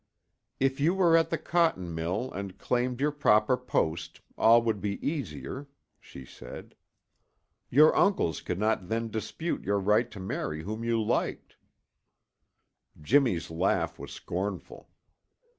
"If you were at the cotton mill and claimed your proper post, all would be easier," she said. "Your uncles could not then dispute your right to marry whom you liked." Jimmy's laugh was scornful.